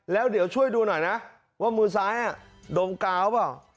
แล้วเดี๋ยวช่วยดูหน่อยนะว่ามือซ้ายดมกาวเปล่า